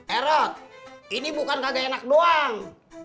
erot ini bukan kagak enak doang